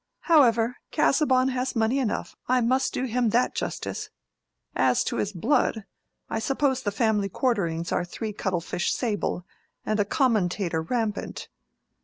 However, Casaubon has money enough; I must do him that justice. As to his blood, I suppose the family quarterings are three cuttle fish sable, and a commentator rampant.